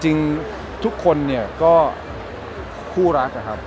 จริงทุกคนเนี่ยก็คู่รักนะครับ